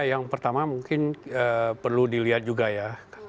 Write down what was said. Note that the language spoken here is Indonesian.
yang pertama mungkin perlu dilihat juga ya